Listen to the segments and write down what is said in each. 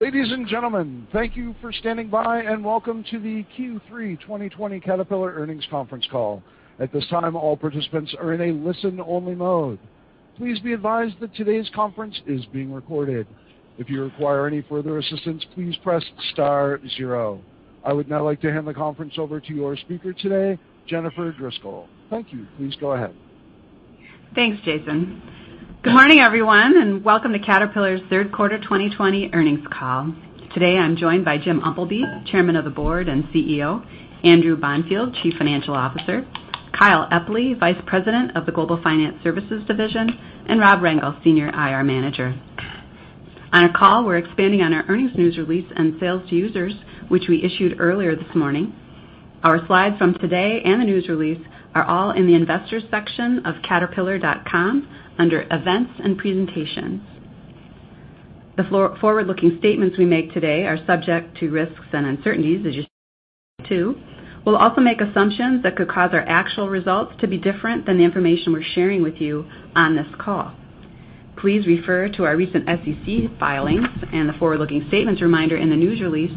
Ladies and gentlemen, thank you for standing by, and welcome to the Q3 2020 Caterpillar Earnings Conference Call. At this time, all participants are in a listen-only mode. Please be advised that today's conference is being recorded. I would now like to hand the conference over to your speaker today, Jennifer Driscoll. Thank you. Please go ahead. Thanks, Jason. Good morning, everyone, and welcome to Caterpillar's third quarter 2020 earnings call. Today, I'm joined by Jim Umpleby, Chairman of the Board and CEO, Andrew Bonfield, Chief Financial Officer, Kyle Epley, Vice President of the Global Finance Services Division, and Rob Rengel, Senior IR Manager. On our call, we're expanding on our earnings news release and sales to users, which we issued earlier this morning. Our slides from today and the news release are all in the investors section of caterpillar.com under events and presentations. The forward-looking statements we make today are subject to risks and uncertainties. We'll also make assumptions that could cause our actual results to be different than the information we're sharing with you on this call. Please refer to our recent SEC filings and the forward-looking statements reminder in the news release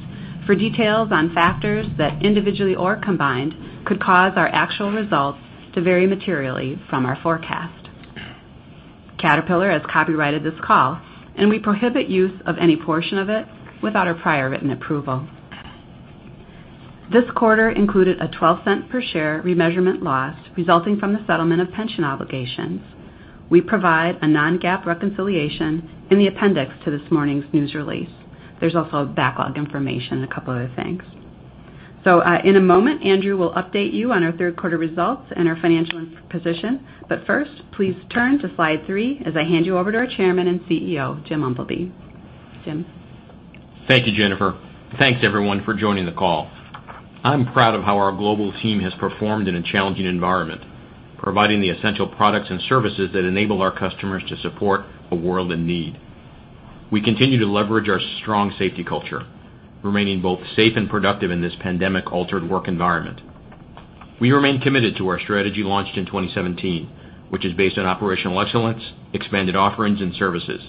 for details on factors that, individually or combined, could cause our actual results to vary materially from our forecast. Caterpillar has copyrighted this call, and we prohibit use of any portion of it without our prior written approval. This quarter included a $0.12 per share remeasurement loss resulting from the settlement of pension obligations. We provide a non-GAAP reconciliation in the appendix to this morning's news release. There's also backlog information, a couple other things. In a moment, Andrew will update you on our third quarter results and our financial position. First, please turn to slide three as I hand you over to our Chairman and CEO, Jim Umpleby. Jim? Thank you, Jennifer. Thanks, everyone, for joining the call. I'm proud of how our global team has performed in a challenging environment, providing the essential products and services that enable our customers to support a world in need. We continue to leverage our strong safety culture, remaining both safe and productive in this pandemic-altered work environment. We remain committed to our strategy launched in 2017, which is based on operational excellence, expanded offerings, and services.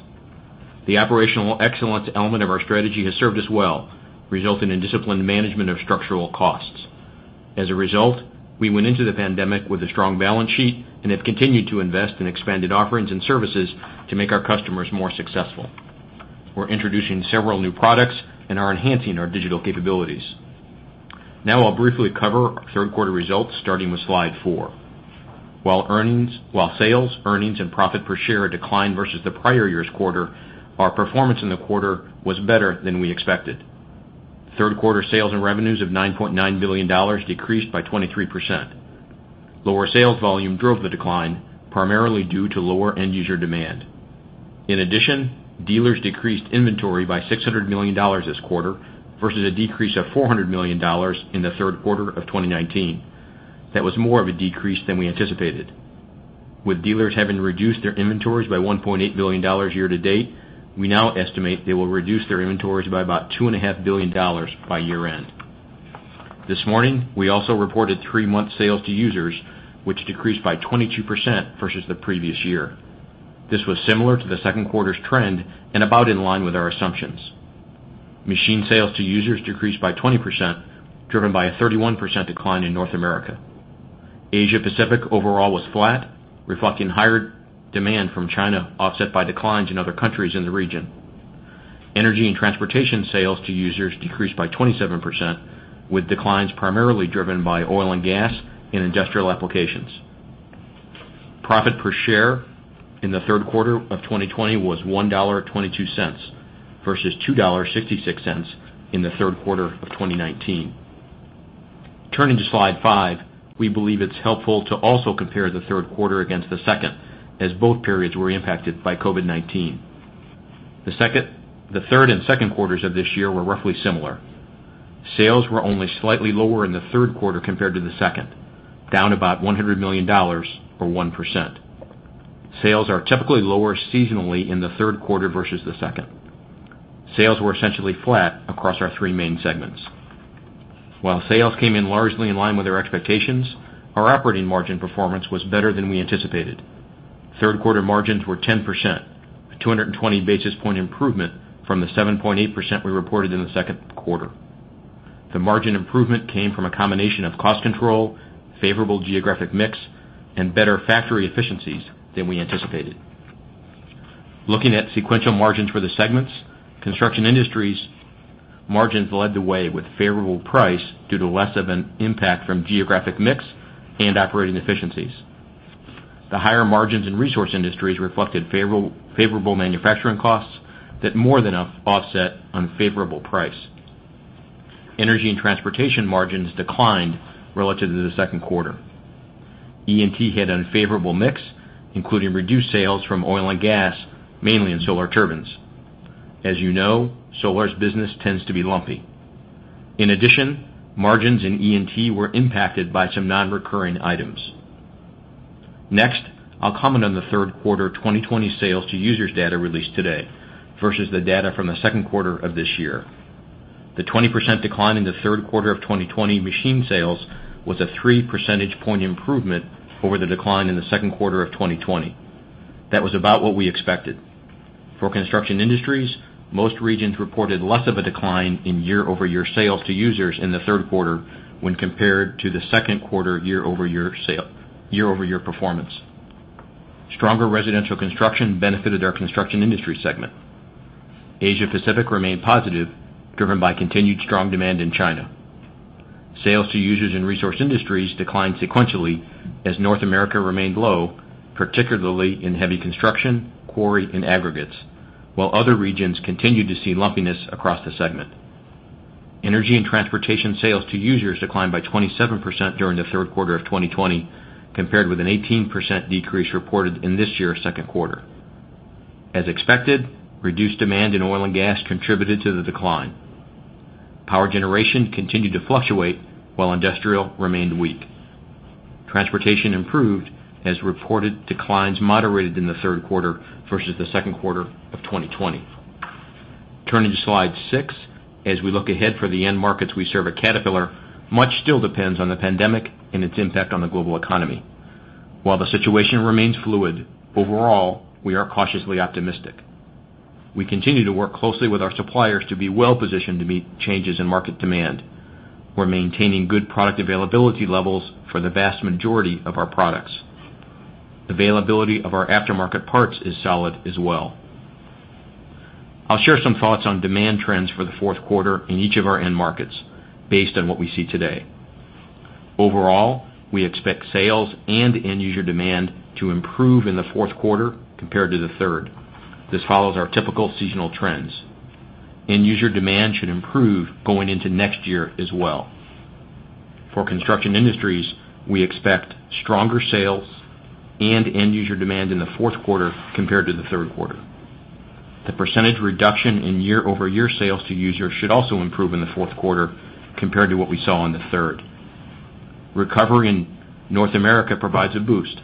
The operational excellence element of our strategy has served us well, resulting in disciplined management of structural costs. As a result, we went into the pandemic with a strong balance sheet and have continued to invest in expanded offerings and services to make our customers more successful. We're introducing several new products and are enhancing our digital capabilities. Now I'll briefly cover our third quarter results, starting with slide four. While sales, earnings, and profit per share declined versus the prior year's quarter, our performance in the quarter was better than we expected. Third quarter sales and revenues of $9.9 billion decreased by 23%. Lower sales volume drove the decline, primarily due to lower end-user demand. In addition, dealers decreased inventory by $600 million this quarter versus a decrease of $400 million in the third quarter of 2019. That was more of a decrease than we anticipated. With dealers having reduced their inventories by $1.8 billion year-to-date, we now estimate they will reduce their inventories by about $2.5 billion by year-end. This morning, we also reported three-month sales to users, which decreased by 22% versus the previous year. This was similar to the second quarter's trend and about in line with our assumptions. Machine sales to users decreased by 20%, driven by a 31% decline in North America. Asia Pacific overall was flat, reflecting higher demand from China offset by declines in other countries in the region. Energy & Transportation sales to users decreased by 27%, with declines primarily driven by oil and gas in industrial applications. Profit per share in the third quarter of 2020 was $1.22 versus $2.66 in the third quarter of 2019. Turning to slide five, we believe it's helpful to also compare the third quarter against the second, as both periods were impacted by COVID-19. The third and second quarters of this year were roughly similar. Sales were only slightly lower in the third quarter compared to the second, down about $100 million, or 1%. Sales are typically lower seasonally in the third quarter versus the second. Sales were essentially flat across our three main segments. While sales came in largely in line with our expectations, our operating margin performance was better than we anticipated. Third quarter margins were 10%, a 220 basis point improvement from the 7.8% we reported in the second quarter. The margin improvement came from a combination of cost control, favorable geographic mix, and better factory efficiencies than we anticipated. Looking at sequential margins for the segments, Construction Industries' margins led the way with favorable price due to less of an impact from geographic mix and operating efficiencies. The higher margins in Resource Industries reflected favorable manufacturing costs that more than offset unfavorable price. Energy & Transportation margins declined relative to the second quarter. E&T had unfavorable mix, including reduced sales from oil and gas, mainly in Solar Turbines. As you know, Solar's business tends to be lumpy. In addition, margins in E&T were impacted by some non-recurring items. Next, I'll comment on the third quarter 2020 sales to users data released today versus the data from the second quarter of this year. The 20% decline in the third quarter of 2020 machine sales was a 3 percentage point improvement over the decline in the second quarter of 2020. That was about what we expected. For Construction Industries, most regions reported less of a decline in year-over-year sales to users in the third quarter when compared to the second quarter year-over-year performance. Stronger residential construction benefited our Construction Industries segment. Asia Pacific remained positive, driven by continued strong demand in China. Sales to users in Resource Industries declined sequentially as North America remained low, particularly in heavy construction, quarry, and aggregates, while other regions continued to see lumpiness across the segment. Energy & Transportation sales to users declined by 27% during the third quarter of 2020, compared with an 18% decrease reported in this year's second quarter. As expected, reduced demand in oil and gas contributed to the decline. Power generation continued to fluctuate while industrial remained weak. Transportation improved as reported declines moderated in the third quarter versus the second quarter of 2020. Turning to slide six. As we look ahead for the end markets we serve at Caterpillar, much still depends on the pandemic and its impact on the global economy. While the situation remains fluid, overall, we are cautiously optimistic. We continue to work closely with our suppliers to be well-positioned to meet changes in market demand. We're maintaining good product availability levels for the vast majority of our products. Availability of our aftermarket parts is solid as well. I'll share some thoughts on demand trends for the fourth quarter in each of our end markets based on what we see today. Overall, we expect sales and end user demand to improve in the fourth quarter compared to the third. This follows our typical seasonal trends. End user demand should improve going into next year as well. For Construction Industries, we expect stronger sales and end user demand in the fourth quarter compared to the third quarter. The percentage reduction in year-over-year sales to users should also improve in the fourth quarter compared to what we saw in the third. Recovery in North America provides a boost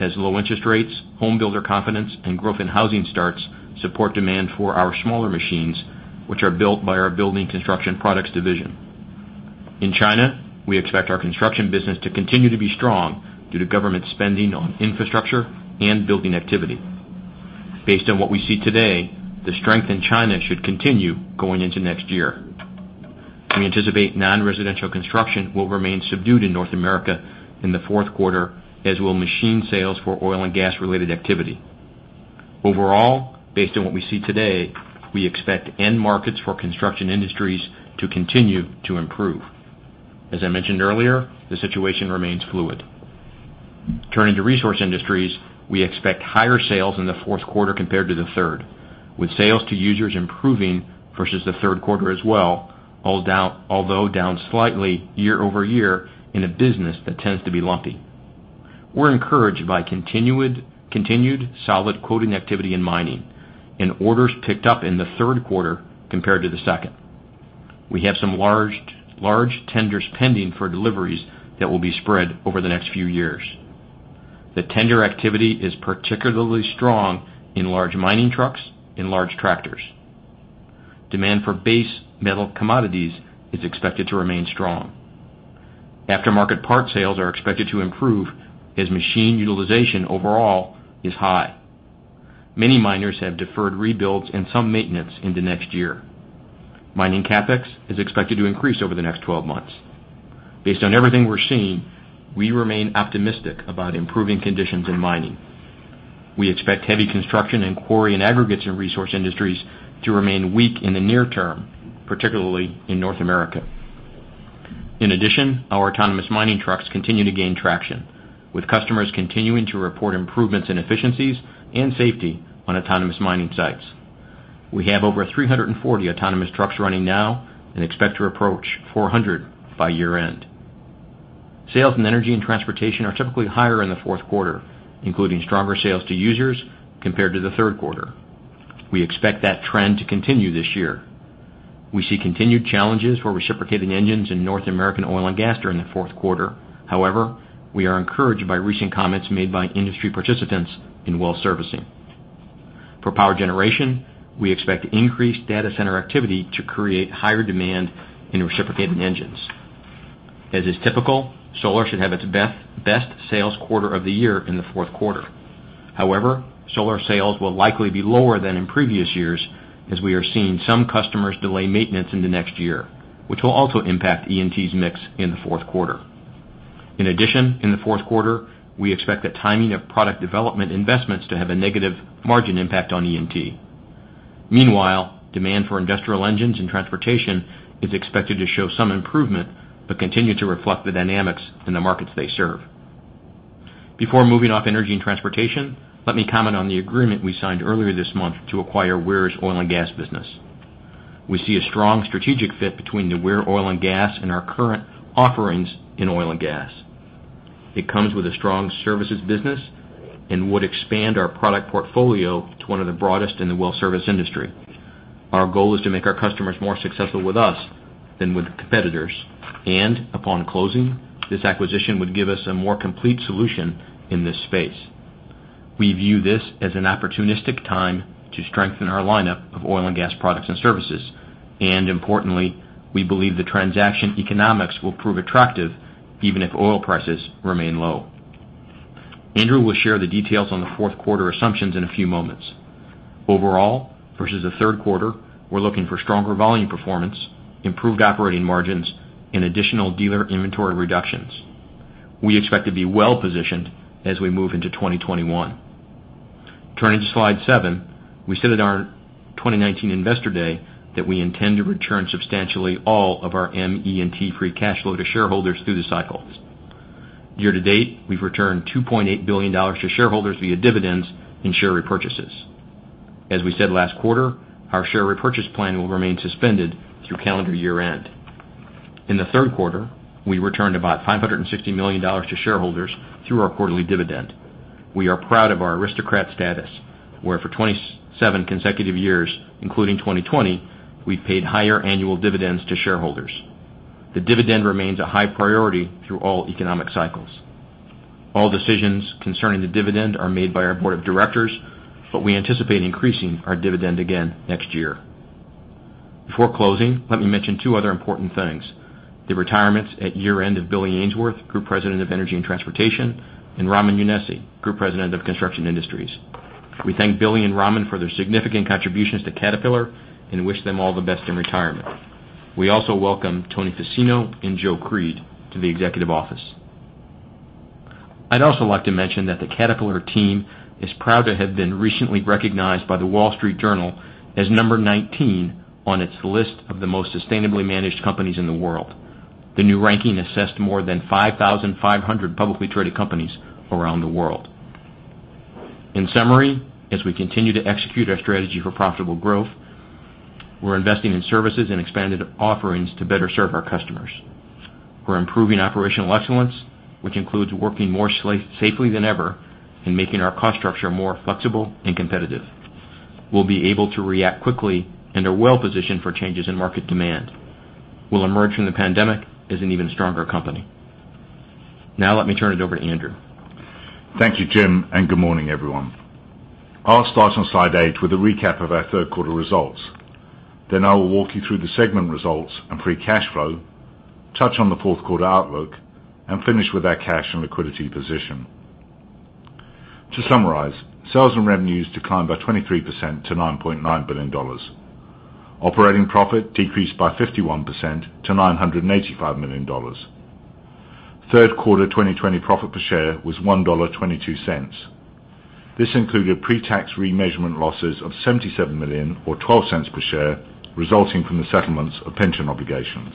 as low interest rates, home builder confidence, and growth in housing starts support demand for our smaller machines, which are built by our Building Construction Products division. In China, we expect our Construction Industries to continue to be strong due to government spending on infrastructure and building activity. Based on what we see today, the strength in China should continue going into next year. We anticipate non-residential construction will remain subdued in North America in the fourth quarter, as will machine sales for oil and gas-related activity. Overall, based on what we see today, we expect end markets for Construction Industries to continue to improve. As I mentioned earlier, the situation remains fluid. Turning to Resource Industries, we expect higher sales in the fourth quarter compared to the third, with sales to users improving versus the third quarter as well, although down slightly year-over-year in a business that tends to be lumpy. We're encouraged by continued solid quoting activity in mining, and orders picked up in the third quarter compared to the second. We have some large tenders pending for deliveries that will be spread over the next few years. The tender activity is particularly strong in large mining trucks and large tractors. Demand for base metal commodities is expected to remain strong. Aftermarket parts sales are expected to improve as machine utilization overall is high. Many miners have deferred rebuilds and some maintenance into next year. Mining CapEx is expected to increase over the next 12 months. Based on everything we're seeing, we remain optimistic about improving conditions in mining. We expect heavy construction and quarry and aggregates in Resource Industries to remain weak in the near term, particularly in North America. In addition, our autonomous mining trucks continue to gain traction, with customers continuing to report improvements in efficiencies and safety on autonomous mining sites. We have over 340 autonomous trucks running now and expect to approach 400 by year-end. Sales in Energy & Transportation are typically higher in the fourth quarter, including stronger sales to users compared to the third quarter. We expect that trend to continue this year. We see continued challenges for reciprocating engines in North American oil and gas during the fourth quarter. However, we are encouraged by recent comments made by industry participants in well servicing. For power generation, we expect increased data center activity to create higher demand in reciprocating engines. As is typical, Solar should have its best sales quarter of the year in the fourth quarter. However, Solar sales will likely be lower than in previous years as we are seeing some customers delay maintenance into next year, which will also impact E&T's mix in the fourth quarter. In addition, in the fourth quarter, we expect the timing of product development investments to have a negative margin impact on E&T. Meanwhile, demand for industrial engines and transportation is expected to show some improvement, but continue to reflect the dynamics in the markets they serve. Before moving off Energy & Transportation, let me comment on the agreement we signed earlier this month to acquire Weir's oil and gas business. We see a strong strategic fit between the Weir oil and gas and our current offerings in oil and gas. It comes with a strong services business and would expand our product portfolio to one of the broadest in the well service industry. Our goal is to make our customers more successful with us than with competitors. Upon closing, this acquisition would give us a more complete solution in this space. We view this as an opportunistic time to strengthen our lineup of oil and gas products and services. Importantly, we believe the transaction economics will prove attractive even if oil prices remain low. Andrew will share the details on the fourth quarter assumptions in a few moments. Overall, versus the third quarter, we're looking for stronger volume performance, improved operating margins, and additional dealer inventory reductions. We expect to be well-positioned as we move into 2021. Turning to slide seven, we said at our 2019 Investor Day that we intend to return substantially all of our ME&T free cash flow to shareholders through the cycles. Year-to-date, we've returned $2.8 billion to shareholders via dividends and share repurchases. As we said last quarter, our share repurchase plan will remain suspended through calendar year-end. In the third quarter, we returned about $560 million to shareholders through our quarterly dividend. We are proud of our Aristocrat status, where for 27 consecutive years, including 2020, we've paid higher annual dividends to shareholders. The dividend remains a high priority through all economic cycles. All decisions concerning the dividend are made by our board of directors. We anticipate increasing our dividend again next year. Before closing, let me mention two other important things, the retirements at year-end of Billy Ainsworth, Group President of Energy & Transportation, and Ramin Younessi, Group President of Construction Industries. We thank Billy and Ramin for their significant contributions to Caterpillar and wish them all the best in retirement. We also welcome Tony Fassino and Joe Creed to the executive office. I'd also like to mention that the Caterpillar team is proud to have been recently recognized by The Wall Street Journal as number 19 on its list of the most sustainably managed companies in the world. The new ranking assessed more than 5,500 publicly traded companies around the world. In summary, as we continue to execute our strategy for profitable growth, we're investing in services and expanded offerings to better serve our customers. We're improving operational excellence, which includes working more safely than ever and making our cost structure more flexible and competitive. We'll be able to react quickly and are well-positioned for changes in market demand. We'll emerge from the pandemic as an even stronger company. Now let me turn it over to Andrew. Thank you, Jim. Good morning, everyone. I'll start on slide eight with a recap of our third quarter results. I will walk you through the segment results and free cash flow, touch on the fourth quarter outlook, and finish with our cash and liquidity position. To summarize, sales and revenues declined by 23% to $9.9 billion. Operating profit decreased by 51% to $985 million. Third quarter 2020 profit per share was $1.22. This included pre-tax remeasurement losses of $77 million, or $0.12 per share, resulting from the settlements of pension obligations.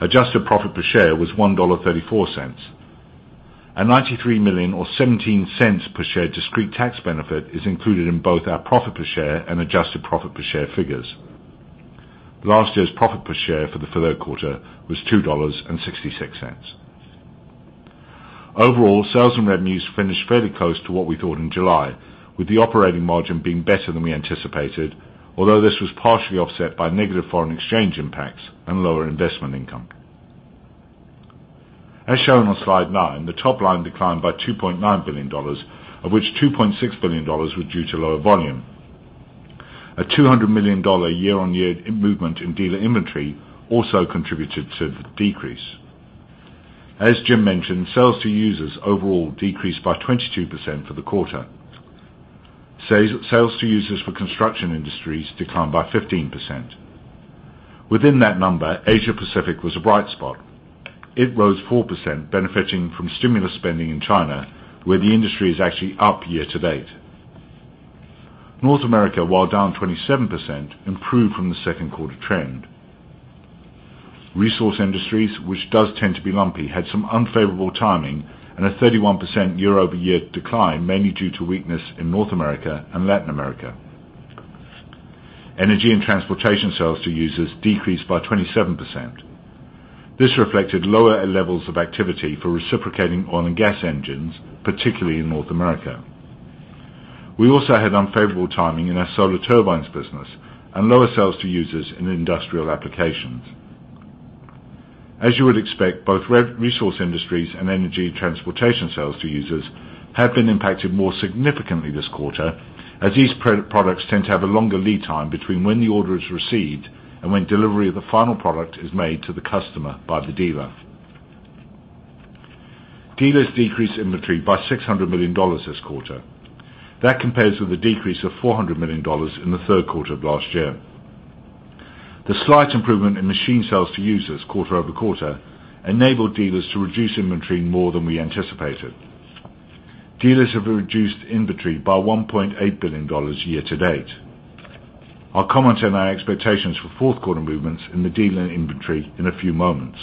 Adjusted profit per share was $1.34. A $93 million, or $0.17 per share, discrete tax benefit is included in both our profit per share and adjusted profit per share figures. Last year's profit per share for the third quarter was $2.66. Overall, sales and revenues finished fairly close to what we thought in July, with the operating margin being better than we anticipated, although this was partially offset by negative foreign exchange impacts and lower investment income. As shown on slide nine, the top line declined by $2.9 billion, of which $2.6 billion were due to lower volume. A $200 million year-on-year movement in dealer inventory also contributed to the decrease. As Jim mentioned, sales to users overall decreased by 22% for the quarter. Sales to users for Construction Industries declined by 15%. Within that number, Asia Pacific was a bright spot. It rose 4%, benefiting from stimulus spending in China, where the industry is actually up year-to-date. North America, while down 27%, improved from the second quarter trend. Resource Industries, which does tend to be lumpy, had some unfavorable timing and a 31% year-over-year decline, mainly due to weakness in North America and Latin America. Energy & Transportation sales to users decreased by 27%. This reflected lower levels of activity for reciprocating oil and gas engines, particularly in North America. We also had unfavorable timing in our Solar Turbines business and lower sales to users in industrial applications. As you would expect, both Resource Industries and Energy & Transportation sales to users have been impacted more significantly this quarter, as these products tend to have a longer lead time between when the order is received and when delivery of the final product is made to the customer by the dealer. Dealers decreased inventory by $600 million this quarter. That compares with a decrease of $400 million in the third quarter of last year. The slight improvement in machine sales to users quarter-over-quarter enabled dealers to reduce inventory more than we anticipated. Dealers have reduced inventory by $1.8 billion year-to-date. I'll comment on our expectations for fourth quarter movements in the dealer inventory in a few moments.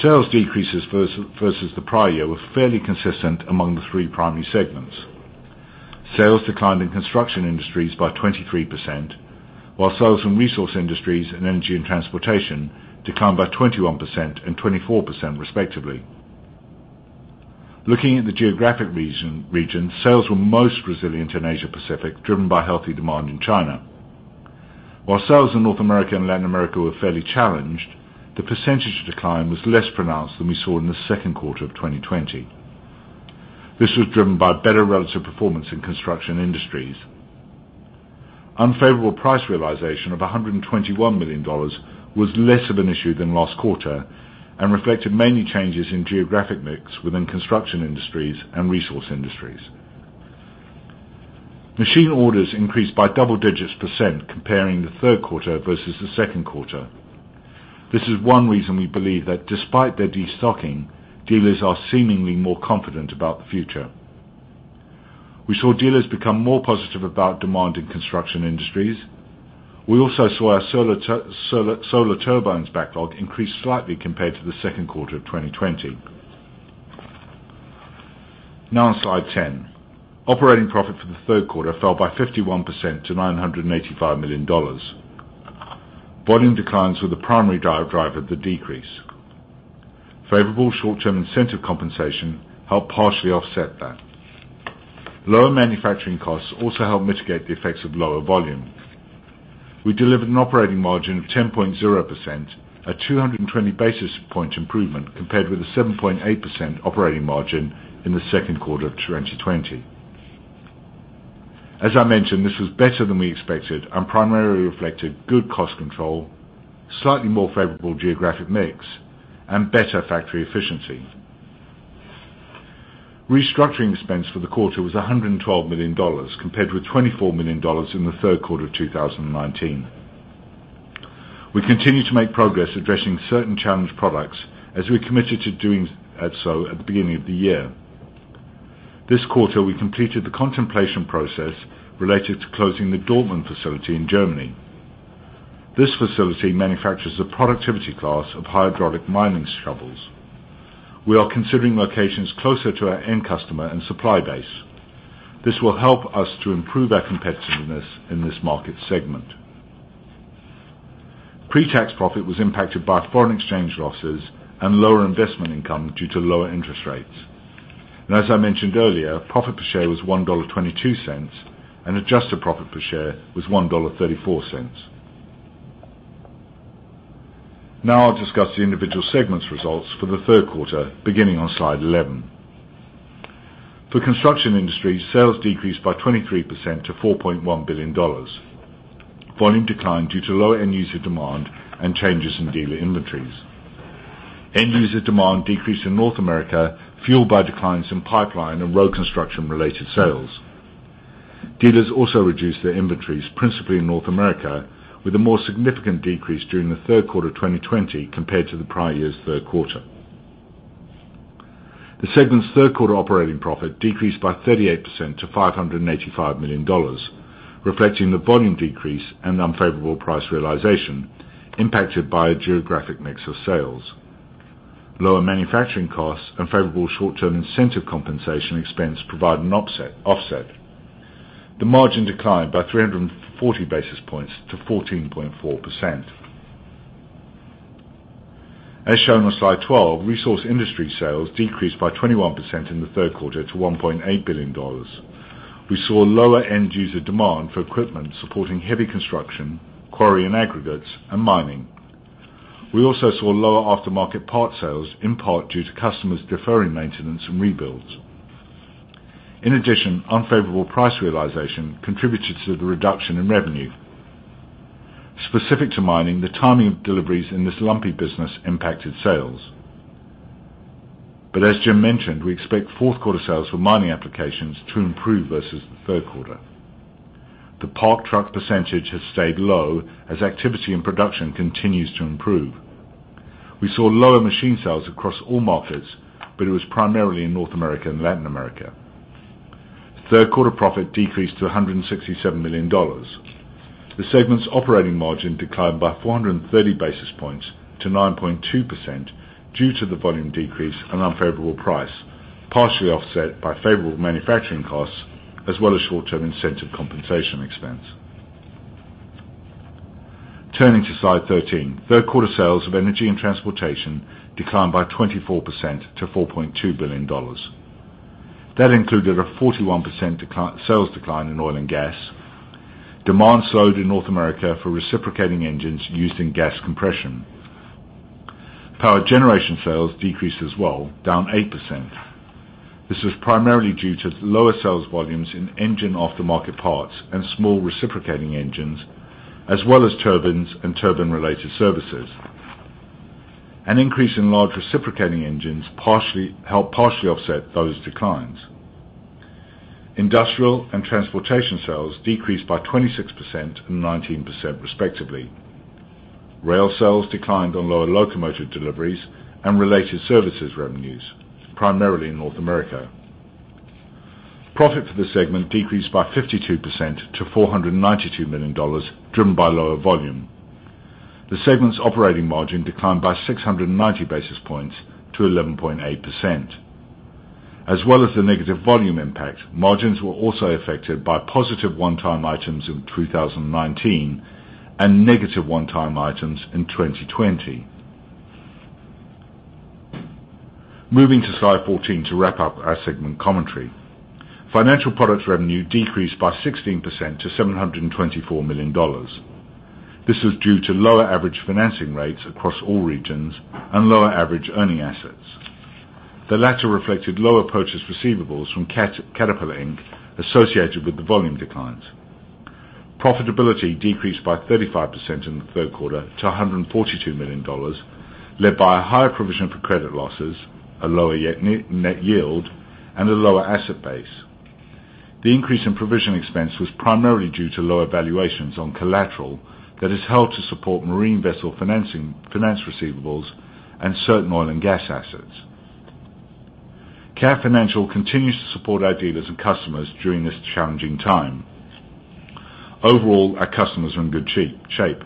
Sales decreases versus the prior year were fairly consistent among the three primary segments. Sales declined in Construction Industries by 23%, while sales from Resource Industries and Energy & Transportation declined by 21% and 24%, respectively. Looking at the geographic regions, sales were most resilient in Asia Pacific, driven by healthy demand in China. While sales in North America and Latin America were fairly challenged, the percentage of decline was less pronounced than we saw in the second quarter of 2020. This was driven by better relative performance in Construction Industries. Unfavorable price realization of $121 million was less of an issue than last quarter, and reflected mainly changes in geographic mix within Construction Industries and Resource Industries. Machine orders increased by double digits percent comparing the third quarter versus the second quarter. This is one reason we believe that despite their destocking, dealers are seemingly more confident about the future. We saw dealers become more positive about demand in Construction Industries. We also saw our Solar Turbines backlog increase slightly compared to the second quarter of 2020. Now on slide 10. Operating profit for the third quarter fell by 51% to $985 million. Volume declines were the primary driver of the decrease. Favorable short-term incentive compensation helped partially offset that. Lower manufacturing costs also helped mitigate the effects of lower volume. We delivered an operating margin of 10.0%, a 220 basis points improvement compared with the 7.8% operating margin in the second quarter of 2020. As I mentioned, this was better than we expected and primarily reflected good cost control, slightly more favorable geographic mix, and better factory efficiency. Restructuring expense for the quarter was $112 million, compared with $24 million in the third quarter of 2019. We continue to make progress addressing certain challenged products as we committed to doing so at the beginning of the year. This quarter, we completed the consultation process related to closing the Dortmund facility in Germany. This facility manufactures the productivity class of hydraulic mining shovels. We are considering locations closer to our end customer and supply base. This will help us to improve our competitiveness in this market segment. Pre-tax profit was impacted by foreign exchange losses and lower investment income due to lower interest rates. As I mentioned earlier, profit per share was $1.22 and adjusted profit per share was $1.34. Now I'll discuss the individual segments results for the third quarter, beginning on slide 11. For Construction Industries, sales decreased by 23% to $4.1 billion. Volume declined due to lower end user demand and changes in dealer inventories. End user demand decreased in North America, fueled by declines in pipeline and road construction-related sales. Dealers also reduced their inventories, principally in North America, with a more significant decrease during the third quarter 2020 compared to the prior year's third quarter. The segment's third quarter operating profit decreased by 38% to $585 million, reflecting the volume decrease and unfavorable price realization impacted by a geographic mix of sales. Lower manufacturing costs and favorable short-term incentive compensation expense provide an offset. The margin declined by 340 basis points to 14.4%. As shown on slide 12, Resource Industries sales decreased by 21% in the third quarter to $1.8 billion. We saw lower end user demand for equipment supporting heavy construction, quarry and aggregates, and mining. We also saw lower aftermarket parts sales, in part due to customers deferring maintenance and rebuilds. In addition, unfavorable price realization contributed to the reduction in revenue. Specific to mining, the timing of deliveries in this lumpy business impacted sales. As Jim mentioned, we expect fourth quarter sales for mining applications to improve versus the third quarter. The parked truck percentage has stayed low as activity and production continues to improve. We saw lower machine sales across all markets, but it was primarily in North America and Latin America. Third quarter profit decreased to $167 million. The segment's operating margin declined by 430 basis points to 9.2% due to the volume decrease and unfavorable price, partially offset by favorable manufacturing costs, as well as short-term incentive compensation expense. Turning to slide 13. Third quarter sales of Energy & Transportation declined by 24% to $4.2 billion. That included a 41% sales decline in oil and gas. Demand slowed in North America for reciprocating engines used in gas compression. Power generation sales decreased as well, down 8%. This was primarily due to lower sales volumes in engine aftermarket parts and small reciprocating engines, as well as turbines and turbine-related services. An increase in large reciprocating engines helped partially offset those declines. Industrial and transportation sales decreased by 26% and 19% respectively. Rail sales declined on lower locomotive deliveries and related services revenues, primarily in North America. Profit for the segment decreased by 52% to $492 million, driven by lower volume. The segment's operating margin declined by 690 basis points to 11.8%. As well as the negative volume impact, margins were also affected by positive one-time items in 2019 and negative one-time items in 2020. Moving to slide 14 to wrap up our segment commentary. Financial Products revenue decreased by 16% to $724 million. This was due to lower average financing rates across all regions and lower average earning assets. The latter reflected lower purchase receivables from Caterpillar Inc. associated with the volume declines. Profitability decreased by 35% in the third quarter to $142 million, led by a higher provision for credit losses, a lower net yield, and a lower asset base. The increase in provision expense was primarily due to lower valuations on collateral that is held to support marine vessel finance receivables and certain oil and gas assets. Cat Financial continues to support our dealers and customers during this challenging time. Overall, our customers are in good shape.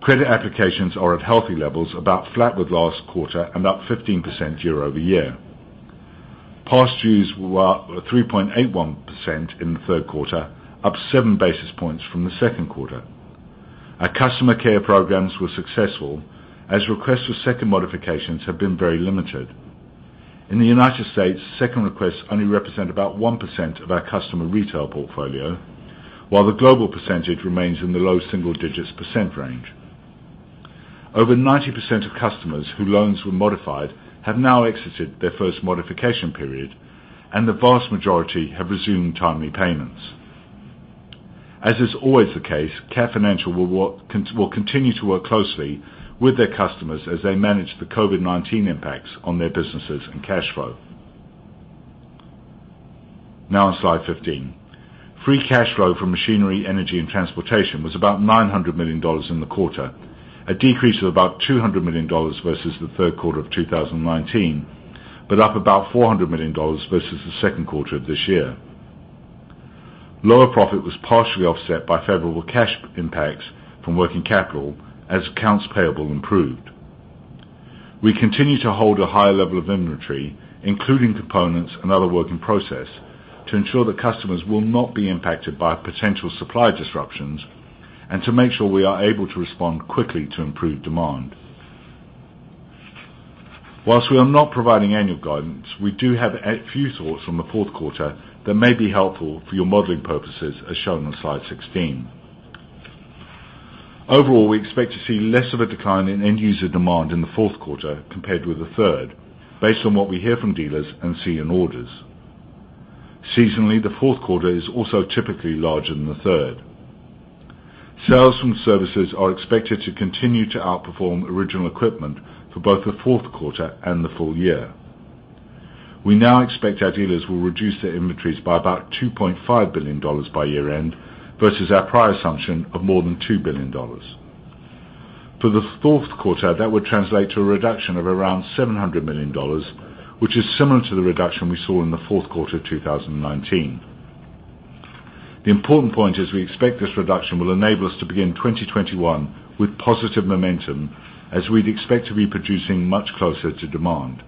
Credit applications are at healthy levels, about flat with last quarter and up 15% year-over-year. Past dues were up 3.81% in the third quarter, up 7 basis points from the second quarter. Our customer care programs were successful as requests for second modifications have been very limited. In the U.S., second requests only represent about 1% of our customer retail portfolio, while the global percentage remains in the low single digits percent range. Over 90% of customers whose loans were modified have now exited their first modification period, and the vast majority have resumed timely payments. As is always the case, Cat Financial will continue to work closely with their customers as they manage the COVID-19 impacts on their businesses and cash flow. Now on slide 15. Free cash flow from Machinery, Energy & Transportation was about $900 million in the quarter, a decrease of about $200 million versus the third quarter of 2019, but up about $400 million versus the second quarter of this year. Lower profit was partially offset by favorable cash impacts from working capital as accounts payable improved. We continue to hold a higher level of inventory, including components and other work in process, to ensure that customers will not be impacted by potential supply disruptions and to make sure we are able to respond quickly to improved demand. Whilst we are not providing annual guidance, we do have a few thoughts from the fourth quarter that may be helpful for your modeling purposes, as shown on slide 16. Overall, we expect to see less of a decline in end-user demand in the fourth quarter compared with the third, based on what we hear from dealers and see in orders. Seasonally, the fourth quarter is also typically larger than the third. Sales from services are expected to continue to outperform original equipment for both the fourth quarter and the full year. We now expect our dealers will reduce their inventories by about $2.5 billion by year-end versus our prior assumption of more than $2 billion. For the fourth quarter, that would translate to a reduction of around $700 million, which is similar to the reduction we saw in the fourth quarter of 2019. The important point is we expect this reduction will enable us to begin 2021 with positive momentum as we'd expect to be producing much closer to demand.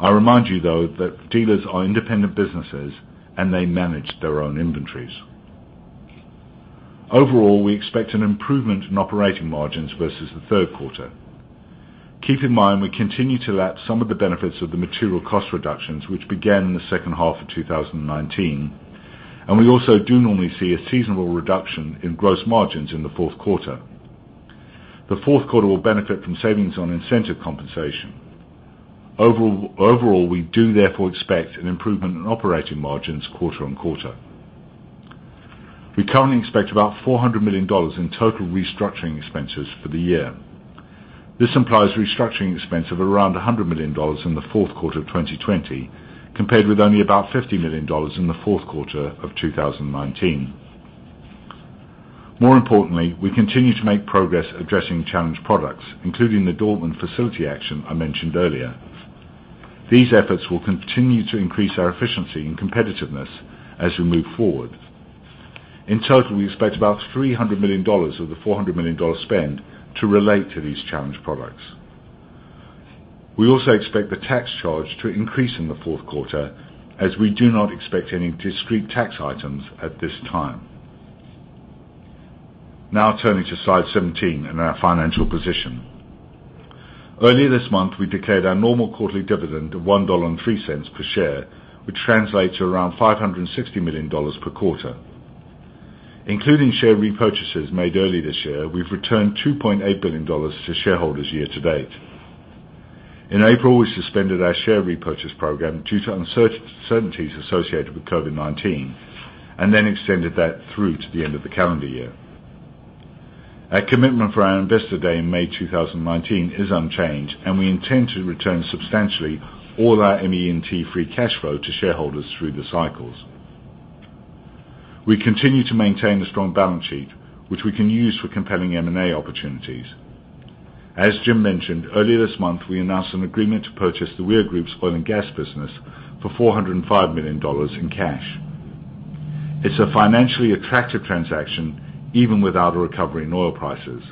I remind you, though, that dealers are independent businesses and they manage their own inventories. Overall, we expect an improvement in operating margins versus the third quarter. Keep in mind, we continue to lap some of the benefits of the material cost reductions, which began in the second half of 2019, and we also do normally see a seasonal reduction in gross margins in the fourth quarter. The fourth quarter will benefit from savings on incentive compensation. Overall, we do therefore expect an improvement in operating margins quarter-on-quarter. We currently expect about $400 million in total restructuring expenses for the year. This implies restructuring expense of around $100 million in the fourth quarter of 2020, compared with only about $50 million in the fourth quarter of 2019. More importantly, we continue to make progress addressing challenged products, including the Dortmund facility action I mentioned earlier. These efforts will continue to increase our efficiency and competitiveness as we move forward. In total, we expect about $300 million of the $400 million spend to relate to these challenged products. We also expect the tax charge to increase in the fourth quarter as we do not expect any discrete tax items at this time. Now turning to slide 17 and our financial position. Earlier this month, we declared our normal quarterly dividend of $1.03 per share, which translates to around $560 million per quarter. Including share repurchases made early this year, we've returned $2.8 billion to shareholders year-to-date. In April, we suspended our share repurchase program due to uncertainties associated with COVID-19 and then extended that through to the end of the calendar year. Our commitment for our Investor Day in May 2019 is unchanged, and we intend to return substantially all our ME&T free cash flow to shareholders through the cycles. We continue to maintain a strong balance sheet, which we can use for compelling M&A opportunities. As Jim mentioned, earlier this month, we announced an agreement to purchase the Weir Group's oil and gas business for $405 million in cash. It's a financially attractive transaction even without a recovery in oil prices.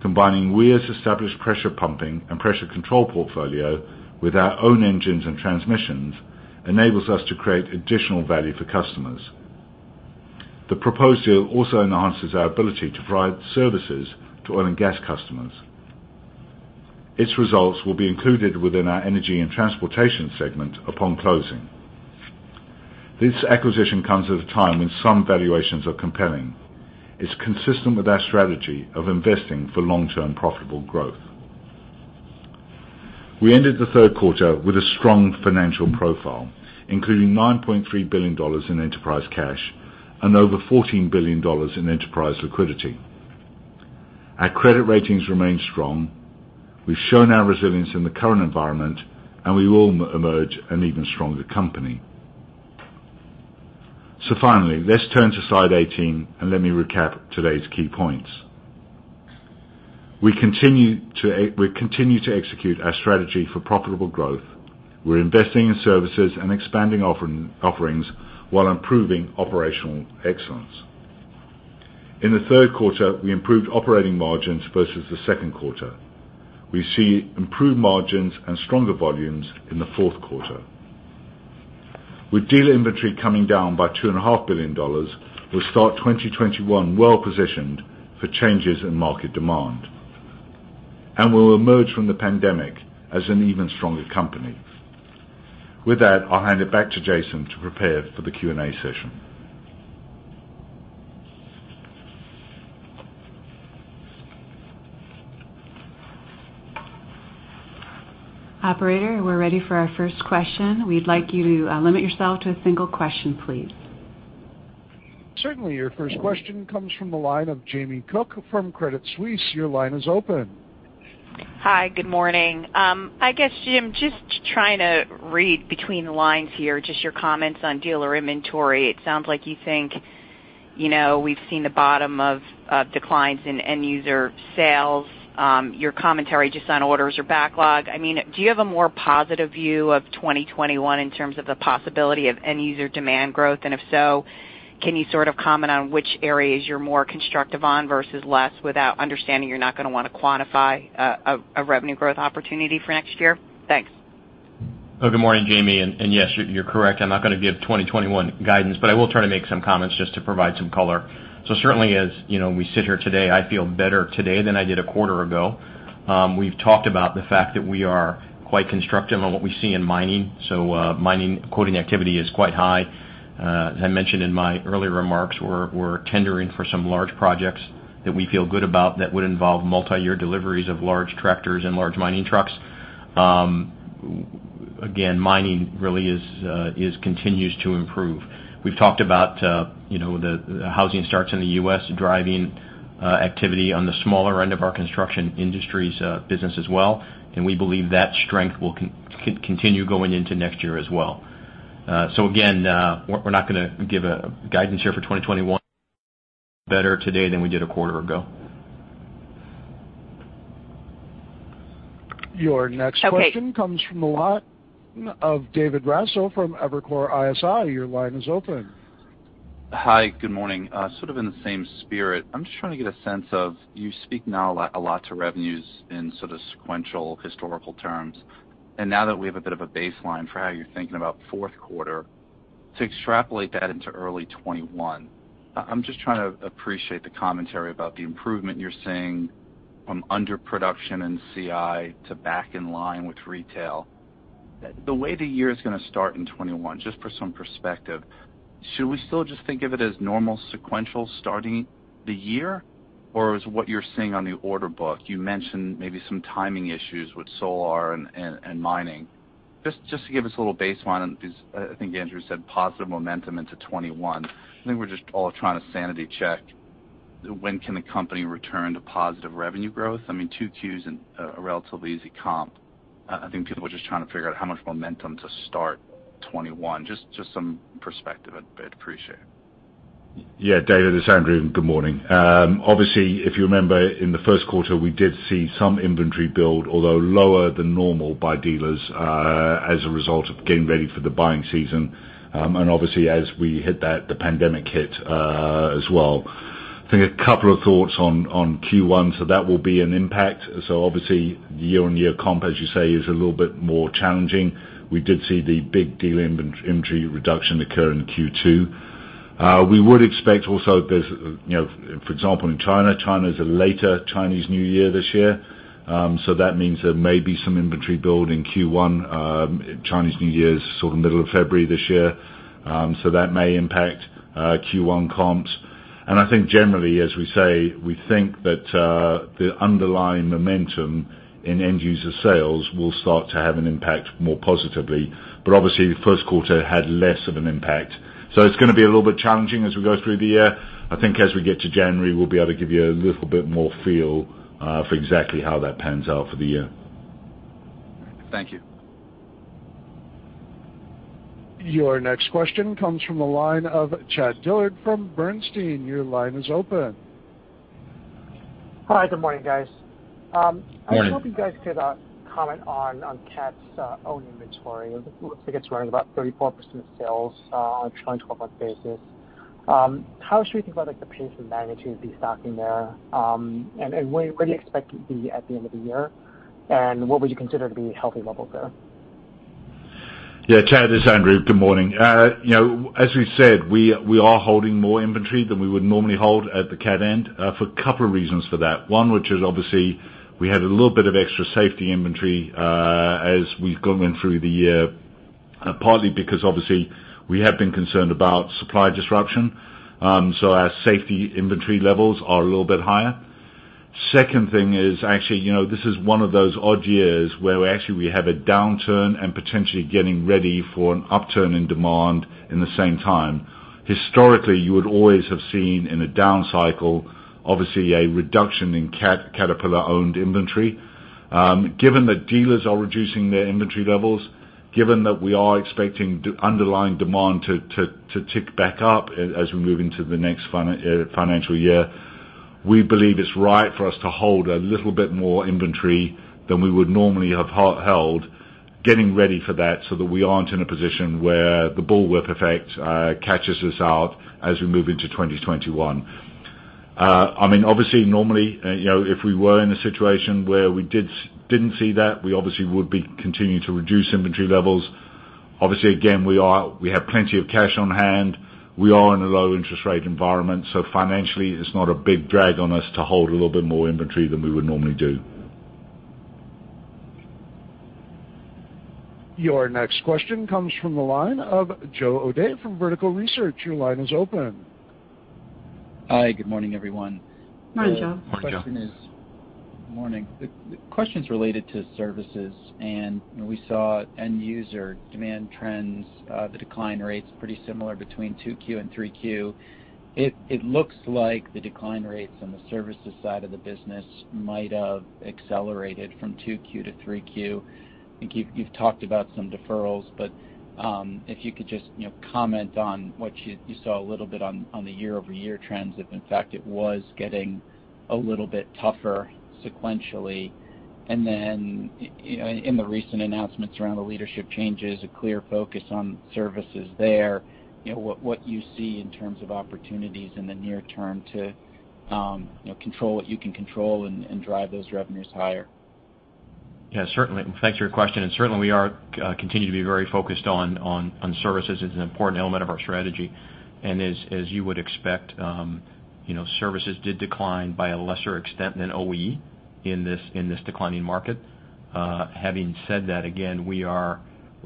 Combining Weir's established pressure pumping and pressure control portfolio with our own engines and transmissions enables us to create additional value for customers. The proposed deal also enhances our ability to provide services to oil and gas customers. Its results will be included within our Energy & Transportation segment upon closing. This acquisition comes at a time when some valuations are compelling. It's consistent with our strategy of investing for long-term profitable growth. We ended the third quarter with a strong financial profile, including $9.3 billion in enterprise cash and over $14 billion in enterprise liquidity. Our credit ratings remain strong. We've shown our resilience in the current environment, and we will emerge an even stronger company. Finally, let's turn to slide 18, and let me recap today's key points. We continue to execute our strategy for profitable growth. We're investing in services and expanding offerings while improving operational excellence. In the third quarter, we improved operating margins versus the second quarter. We see improved margins and stronger volumes in the fourth quarter. With dealer inventory coming down by $2.5 billion, we'll start 2021 well-positioned for changes in market demand and will emerge from the pandemic as an even stronger company. With that, I'll hand it back to Jason to prepare for the Q&A session. Operator, we're ready for our first question. We'd like you to limit yourself to a single question, please. Certainly. Your first question comes from the line of Jamie Cook from Credit Suisse. Your line is open. Hi, good morning. I guess, Jim, just trying to read between the lines here, just your comments on dealer inventory, it sounds like you think we've seen the bottom of declines in end user sales. Your commentary just on orders or backlog, do you have a more positive view of 2021 in terms of the possibility of end user demand growth? If so, can you comment on which areas you're more constructive on versus less without understanding you're not going to want to quantify a revenue growth opportunity for next year? Thanks. Good morning, Jamie. Yes, you're correct. I'm not going to give 2021 guidance. I will try to make some comments just to provide some color. Certainly, as we sit here today, I feel better today than I did a quarter ago. We've talked about the fact that we are quite constructive on what we see in mining. Mining quoting activity is quite high. As I mentioned in my earlier remarks, we're tendering for some large projects that we feel good about that would involve multi-year deliveries of large tractors and large mining trucks. Again, mining really continues to improve. We've talked about the housing starts in the U.S. driving activity on the smaller end of our Construction Industries business as well, and we believe that strength will continue going into next year as well. Again, we're not going to give a guidance here for 2021 better today than we did a quarter ago. Okay. Your next question comes from the line of David Raso from Evercore ISI. Your line is open. Hi, good morning. Sort of in the same spirit. I'm just trying to get a sense of, you speak now a lot to revenues in sort of sequential historical terms, and now that we have a bit of a baseline for how you're thinking about fourth quarter, to extrapolate that into early 2021. I'm just trying to appreciate the commentary about the improvement you're seeing from under production in CI to back in line with retail. The way the year is going to start in 2021, just for some perspective, should we still just think of it as normal sequential starting the year? Is what you're seeing on the order book, you mentioned maybe some timing issues with Solar and mining. Just to give us a little baseline on these, I think Andrew said positive momentum into 2021. I think we're just all trying to sanity check, when can the company return to positive revenue growth? I mean, two Qs and a relatively easy comp. I think people were just trying to figure out how much momentum to start 2021. Just some perspective, I'd appreciate. David, this is Andrew. Good morning. If you remember in the first quarter, we did see some inventory build, although lower than normal by dealers, as a result of getting ready for the buying season. Obviously as we hit that, the pandemic hit as well. I think a couple of thoughts on Q1, that will be an impact. Obviously year-over-year comp, as you say, is a little bit more challenging. We did see the big dealer inventory reduction occur in Q2. We would expect also there's, for example, in China's a later Chinese New Year this year. That means there may be some inventory build in Q1. Chinese New Year is sort of middle of February this year. That may impact Q1 comps. I think generally, as we say, we think that the underlying momentum in end user sales will start to have an impact more positively. Obviously the first quarter had less of an impact. It's going to be a little bit challenging as we go through the year. I think as we get to January, we'll be able to give you a little bit more feel for exactly how that pans out for the year. Thank you. Your next question comes from the line of Chad Dillard from Bernstein. Your line is open. Hi, good morning, guys. Morning. I was hoping you guys could comment on Cat's own inventory. It looks like it's running about 34% of sales on a trailing 12-month basis. How should we think about the pace and magnitude of destocking there? Where do you expect it to be at the end of the year? What would you consider to be healthy levels there? Chad, this is Andrew. Good morning. As we said, we are holding more inventory than we would normally hold at the Cat end, for a couple of reasons for that. One, which is obviously we had a little bit of extra safety inventory as we've gone through the year. Partly because obviously we have been concerned about supply disruption, so our safety inventory levels are a little bit higher. Second thing is actually, this is one of those odd years where actually we have a downturn and potentially getting ready for an upturn in demand in the same time. Historically, you would always have seen in a down cycle, obviously a reduction in Caterpillar-owned inventory. Given that dealers are reducing their inventory levels, given that we are expecting underlying demand to tick back up as we move into the next financial year, we believe it's right for us to hold a little bit more inventory than we would normally have held, getting ready for that so that we aren't in a position where the bullwhip effect catches us out as we move into 2021. Normally, if we were in a situation where we didn't see that, we obviously would be continuing to reduce inventory levels. Again, we have plenty of cash on hand. We are in a low interest rate environment, so financially, it's not a big drag on us to hold a little bit more inventory than we would normally do. Your next question comes from the line of Joe O'Dea from Vertical Research. Your line is open. Hi, good morning, everyone. Morning, Joe. Morning, Joe. Morning. The question's related to services. We saw end user demand trends, the decline rates pretty similar between Q2 and Q3. It looks like the decline rates on the services side of the business might have accelerated from Q2 to Q3. I think you've talked about some deferrals, but if you could just comment on what you saw a little bit on the year-over-year trends, if in fact it was getting a little bit tougher sequentially? Then in the recent announcements around the leadership changes, a clear focus on services there, what you see in terms of opportunities in the near term to control what you can control and drive those revenues higher? Yeah, certainly. Thanks for your question. Certainly we are continuing to be very focused on services. It's an important element of our strategy. As you would expect, services did decline by a lesser extent than OE in this declining market. Having said that, again, we're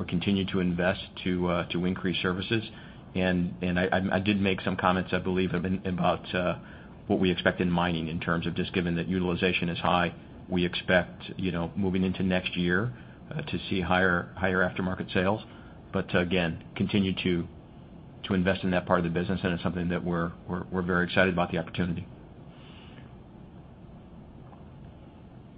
continuing to invest to increase services. I did make some comments, I believe, about what we expect in mining in terms of just given that utilization is high, we expect, moving into next year, to see higher aftermarket sales. Again, continue to invest in that part of the business, and it's something that we're very excited about the opportunity.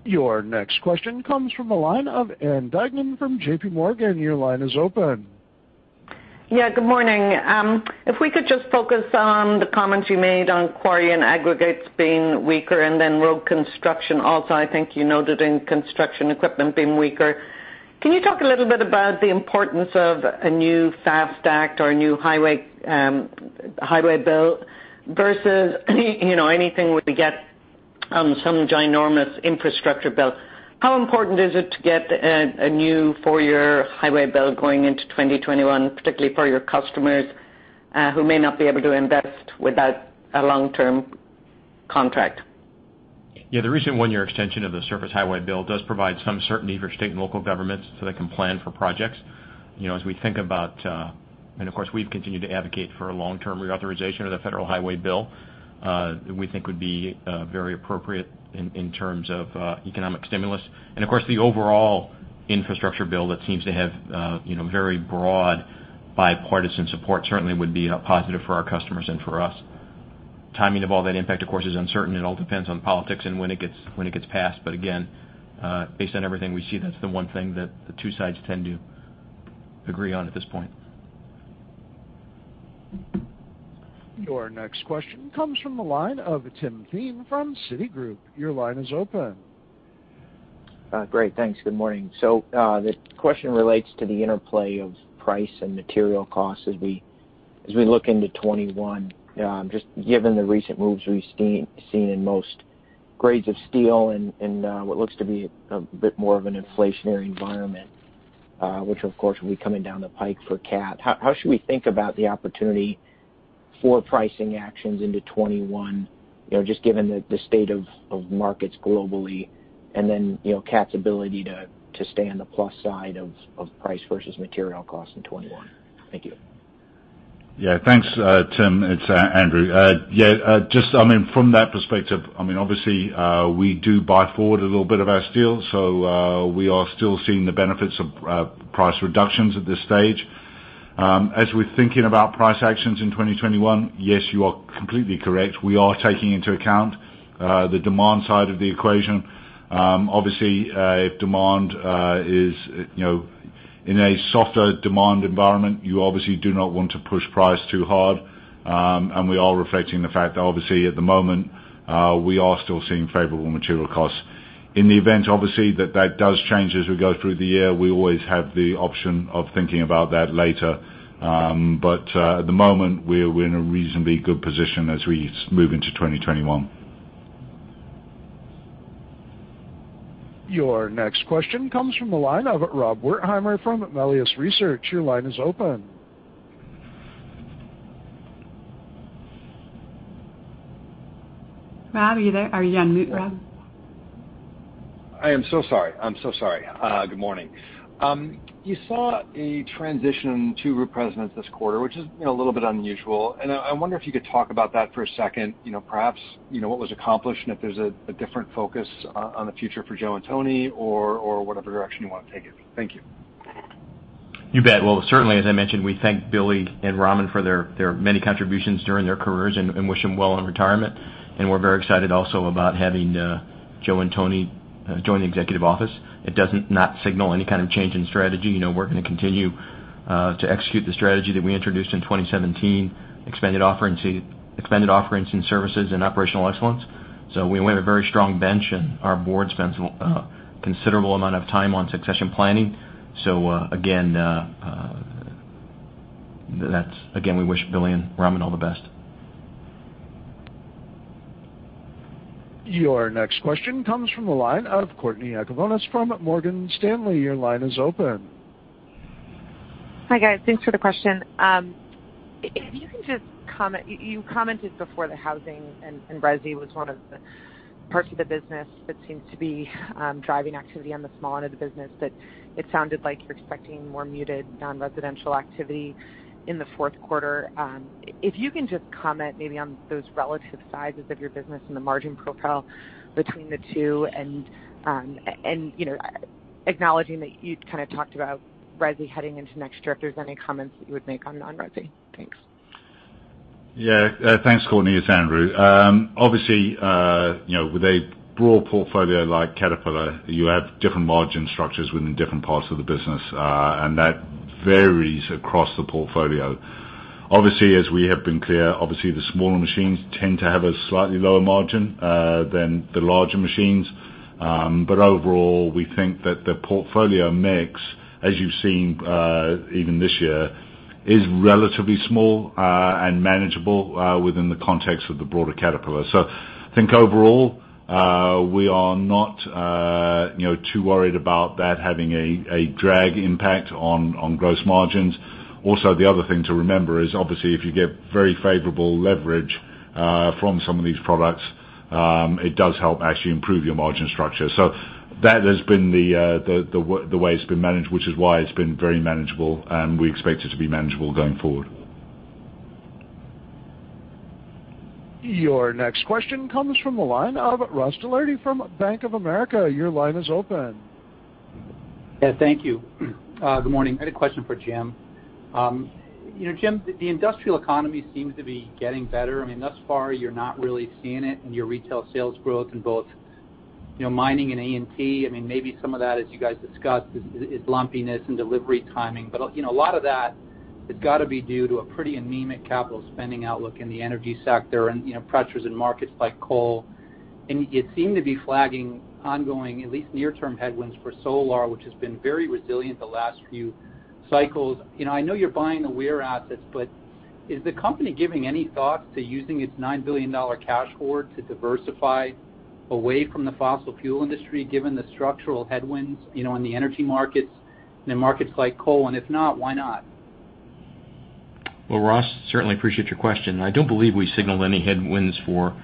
Your next question comes from the line of Ann Duignan from JPMorgan. Your line is open. Yeah, good morning. If we could just focus on the comments you made on quarry and aggregates being weaker and then road construction also, I think you noted in construction equipment being weaker. Can you talk a little bit about the importance of a new FAST Act or a new highway bill versus anything we get on some ginormous infrastructure bill? How important is it to get a new four-year highway bill going into 2021, particularly for your customers who may not be able to invest without a long-term contract? Yeah, the recent one-year extension of the Surface Transportation Bill does provide some certainty for state and local governments so they can plan for projects. As we think, of course, we've continued to advocate for a long-term reauthorization of the Federal Highway Bill, we think would be very appropriate in terms of economic stimulus. Of course, the overall infrastructure bill that seems to have very broad bipartisan support certainly would be a positive for our customers and for us. Timing of all that impact, of course, is uncertain. It all depends on politics and when it gets passed. Again, based on everything we see, that's the one thing that the two sides tend to agree on at this point. Your next question comes from the line of Timothy Thein from Citigroup. Your line is open. Great. Thanks. Good morning. The question relates to the interplay of price and material costs as we look into 2021, just given the recent moves we've seen in most grades of steel and what looks to be a bit more of an inflationary environment, which of course will be coming down the pike for Cat. How should we think about the opportunity for pricing actions into 2021, just given the state of markets globally, and then Cat's ability to stay on the plus side of price versus material costs in 2021? Thank you. Thanks, Tim. It's Andrew. Just from that perspective, obviously, we do buy forward a little bit of our steel, so we are still seeing the benefits of price reductions at this stage. As we're thinking about price actions in 2021, yes, you are completely correct. We are taking into account the demand side of the equation. Obviously, if demand is in a softer demand environment, you obviously do not want to push price too hard. We are reflecting the fact that obviously at the moment, we are still seeing favorable material costs. In the event, obviously, that that does change as we go through the year, we always have the option of thinking about that later. At the moment, we're in a reasonably good position as we move into 2021. Your next question comes from the line of Rob Wertheimer from Melius Research. Your line is open. Rob, are you there? Are you on mute, Rob? I am so sorry. Good morning. You saw a transition to group presidents this quarter, which is a little bit unusual, and I wonder if you could talk about that for a second, perhaps, what was accomplished and if there's a different focus on the future for Joe and Tony or whatever direction you want to take it. Thank you. You bet. Well, certainly, as I mentioned, we thank Billy and Ramin for their many contributions during their careers and wish them well in retirement. We're very excited also about having Joe and Tony join the Executive Office. It doesn't not signal any kind of change in strategy. We're going to continue to execute the strategy that we introduced in 2017, expanded offerings in services and operational excellence. We have a very strong bench, and our Board spends a considerable amount of time on succession planning. Again, we wish Billy and Ramin all the best. Your next question comes from the line of Courtney Yakavonis from Morgan Stanley. Your line is open. Hi, guys. Thanks for the question. If you can just comment, you commented before that housing and resi was one of the parts of the business that seems to be driving activity on the small end of the business, but it sounded like you're expecting more muted non-residential activity in the fourth quarter. If you can just comment maybe on those relative sizes of your business and the margin profile between the two and acknowledging that you'd kind of talked about resi heading into next year, if there's any comments that you would make on non-resi. Thanks. Yeah. Thanks, Courtney. It's Andrew. Obviously, with a broad portfolio like Caterpillar, you have different margin structures within different parts of the business. That varies across the portfolio. Obviously, as we have been clear, obviously the smaller machines tend to have a slightly lower margin, than the larger machines. Overall, we think that the portfolio mix, as you've seen even this year, is relatively small, and manageable within the context of the broader Caterpillar. I think overall, we are not too worried about that having a drag impact on gross margins. The other thing to remember is obviously if you get very favorable leverage from some of these products, it does help actually improve your margin structure. That has been the way it's been managed, which is why it's been very manageable, and we expect it to be manageable going forward. Your next question comes from the line of Ross Gilardi from Bank of America. Your line is open. Thank you. Good morning. I had a question for Jim. Jim, the industrial economy seems to be getting better. Thus far, you're not really seeing it in your retail sales growth in both mining and E&T. Maybe some of that, as you guys discussed, is lumpiness and delivery timing. A lot of that has got to be due to a pretty anemic capital spending outlook in the energy sector and pressures in markets like coal. You seem to be flagging ongoing, at least near term headwinds for Solar, which has been very resilient the last few cycles. I know you're buying the Weir assets, is the company giving any thought to using its $9 billion cash hoard to diversify away from the fossil fuel industry, given the structural headwinds in the energy markets, in markets like coal, and if not, why not? Ross, certainly appreciate your question. I don't believe we signaled any headwinds for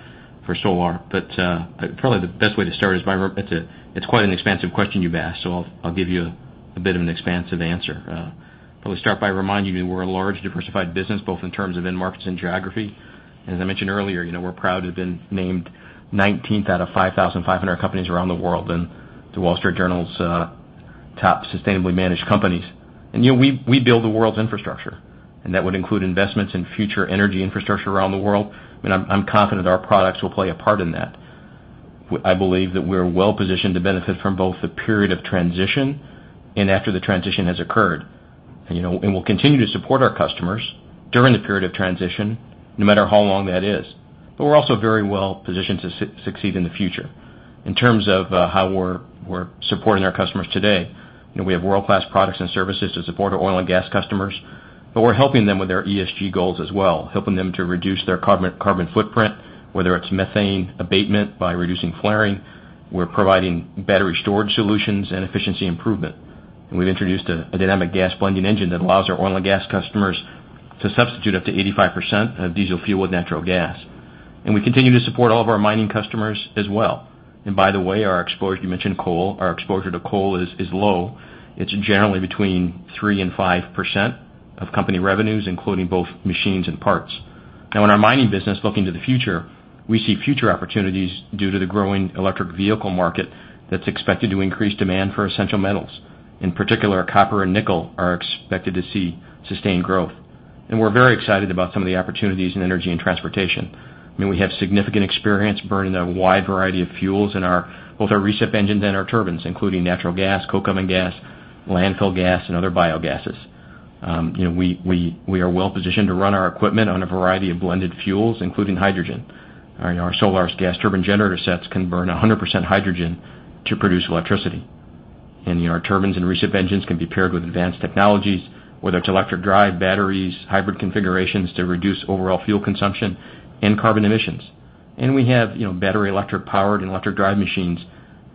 Solar Turbines. Probably the best way to start is by, it's quite an expansive question you've asked. I'll give you a bit of an expansive answer. Probably start by reminding you we're a large diversified business, both in terms of end markets and geography. As I mentioned earlier, we're proud to have been named 19th out of 5,500 companies around the world in The Wall Street Journal's top sustainably managed companies. We build the world's infrastructure. That would include investments in future energy infrastructure around the world. I'm confident our products will play a part in that. I believe that we're well-positioned to benefit from both the period of transition and after the transition has occurred. We'll continue to support our customers during the period of transition, no matter how long that is. We're also very well positioned to succeed in the future. In terms of how we're supporting our customers today, we have world-class products and services to support our oil and gas customers, but we're helping them with their ESG goals as well, helping them to reduce their carbon footprint, whether it's methane abatement by reducing flaring. We're providing battery storage solutions and efficiency improvement. We've introduced a Dynamic Gas Blending engine that allows our oil and gas customers to substitute up to 85% of diesel fuel with natural gas. We continue to support all of our mining customers as well. By the way, you mentioned coal. Our exposure to coal is low. It's generally between 3% and 5% of company revenues, including both machines and parts. In our mining business, looking to the future, we see future opportunities due to the growing electric vehicle market that's expected to increase demand for essential metals. In particular, copper and nickel are expected to see sustained growth. We're very excited about some of the opportunities in Energy & Transportation. We have significant experience burning a wide variety of fuels in both our recip engines and our turbines, including natural gas, coke oven gas, landfill gas, and other biogases. We are well positioned to run our equipment on a variety of blended fuels, including hydrogen. Our Solar Turbines gas turbine generator sets can burn 100% hydrogen to produce electricity. Our turbines and recip engines can be paired with advanced technologies, whether it's electric drive, batteries, hybrid configurations to reduce overall fuel consumption and carbon emissions. We have battery, electric powered, and electric drive machines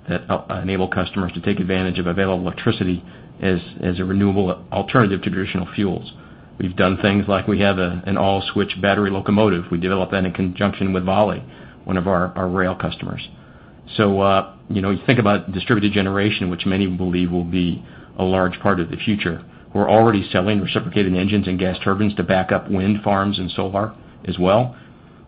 that enable customers to take advantage of available electricity as a renewable alternative to traditional fuels. We've done things like we have an EMD Joule battery-electric switcher locomotive. We developed that in conjunction with Vale, one of our rail customers. You think about distributed generation, which many believe will be a large part of the future. We're already selling reciprocating engines and gas turbines to back up wind farms and solar as well.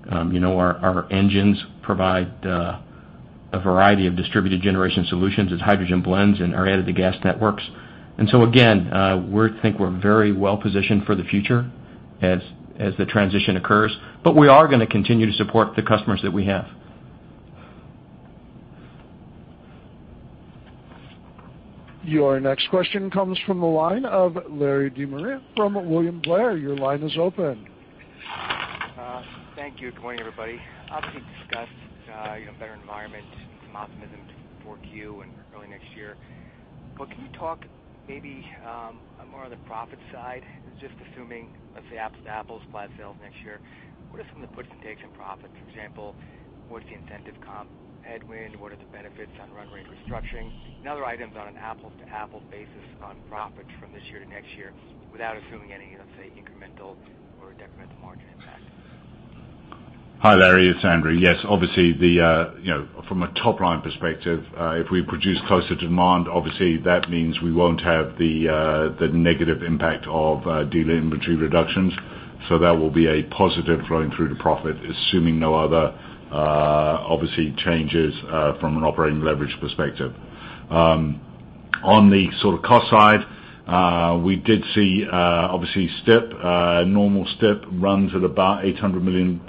Our engines provide a variety of distributed generation solutions as hydrogen blends and are added to gas networks. Again, we think we're very well-positioned for the future as the transition occurs, but we are going to continue to support the customers that we have. Your next question comes from the line of Larry De Maria from William Blair. Your line is open. Thank you. Good morning, everybody. Obviously you discussed better environment and some optimism for Q and early next year. Can you talk maybe more on the profit side? Just assuming, let's say apples to apples, flat sales next year, what are some of the puts and takes in profits? For example, what's the incentive comp headwind? What are the benefits on run rate restructuring and other items on an apples-to-apples basis on profits from this year to next year without assuming any, let's say, incremental or decremental margin impact? Hi, Larry, it's Andrew. Yes. Obviously, from a top-line perspective, if we produce closer to demand, obviously that means we won't have the negative impact of dealer inventory reductions. That will be a positive flowing through to profit, assuming no other, obviously, changes from an operating leverage perspective. On the cost side, we did see, obviously, STIP. A normal STIP runs at about $800 million